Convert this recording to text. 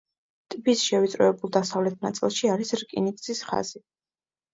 ტბის შევიწროებულ დასავლეთ ნაწილში არის რკინიგზის ხაზი.